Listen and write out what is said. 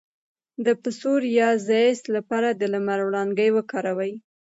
د پسوریازیس لپاره د لمر وړانګې وکاروئ